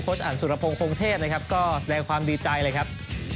คนช์อันสุรพงษ์คงเทพครับก็แสดงความดีใจเลยครับ